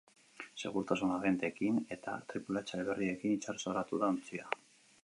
Segurtasun agenteekin eta tripulatzaile berriekin itsasoratu da ontzia.